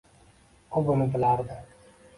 U buni bilardi.